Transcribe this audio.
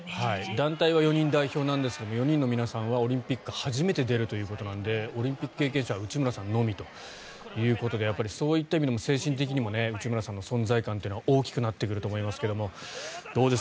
団体は４人代表なんですが４人の皆さんはオリンピック初めて出るということなのでオリンピック経験者は内村さんのみということでやっぱりそういった意味でも精神的に内村さんの存在感は大きくなってくると思いますけどどうです？